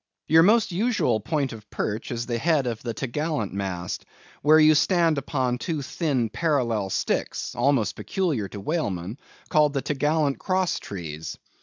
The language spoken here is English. Your most usual point of perch is the head of the t' gallant mast, where you stand upon two thin parallel sticks (almost peculiar to whalemen) called the t' gallant cross trees.